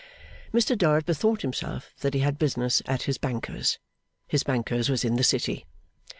Mr Dorrit bethought himself that he had business at his banker's. His banker's was in the City.